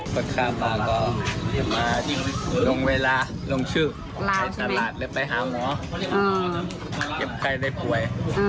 คนข้ามมาก็รีบมาลงเวลาลงชื่อไปตลาดเลยไปหาหมอเก็บไข้ได้ป่วย